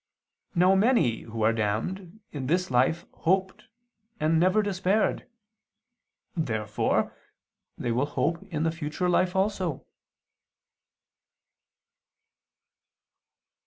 Now many who are damned, in this life hoped and never despaired. Therefore they will hope in the future life also.